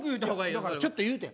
だからちょっと言うてん。